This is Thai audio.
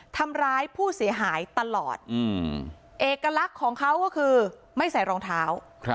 ทำร้ายผู้เสียหายตลอดเอกลักษณ์ของเขาก็คือไม่ใส่รองเท้า